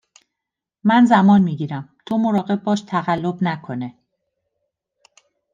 من زمان میگیرم تو مراقب باش تقلب نکنه